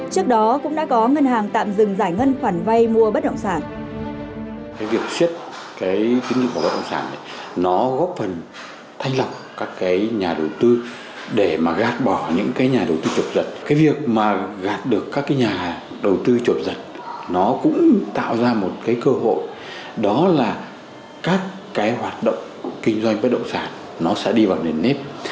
trước đó cũng đã có ngân hàng tạm dừng giải ngân khoản vay mua bất động sản